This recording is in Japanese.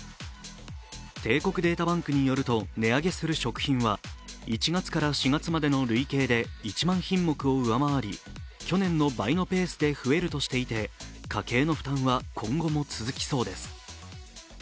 帝国データバンクによると値上げする食品は１月から４月までの累計で１万品目を上回り去年の倍のペースで増えるとしていて、家計の負担は今後も続きそうです。